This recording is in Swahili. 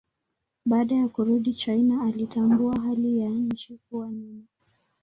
Baada ya kurudi China alitambua hali ya nchi kuwa nyuma.